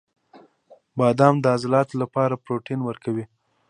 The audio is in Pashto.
• بادام د عضلاتو لپاره پروټین ورکوي.